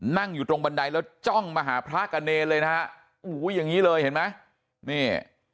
นั่งอยู่ตรงบันไดแล้วจ้องมาหาพระกับเนรเลยนะฮะโอ้โหอย่างนี้เลยเห็นไหมนี่